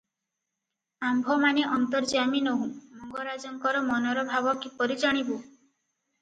ଆମ୍ଭମାନେ ଅନ୍ତର୍ଯ୍ୟାମୀ ନୋହୁ, ମଙ୍ଗରାଜଙ୍କର ମନର ଭାବ କିପରି ଜାଣିବୁ?